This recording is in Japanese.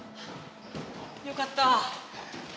よかった！